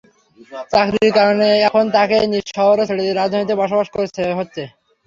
চাকরির কারণে এখন তাঁকেই নিজ শহর ছেড়ে রাজধানীতে বসবাস করতে হচ্ছে।